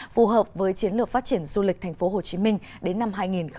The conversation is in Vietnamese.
phù hợp với chiến lược phát triển du lịch thành phố hồ chí minh đến năm hai nghìn ba mươi